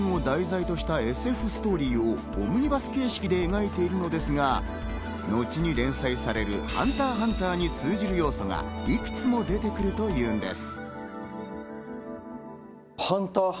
宇宙人を題材としたＳＦストーリーをオムニバス形式で描いているのですが、後に連載される『ＨＵＮＴＥＲ×ＨＵＮＴＥＲ』に通じる要素がいくつも出てくるというのです。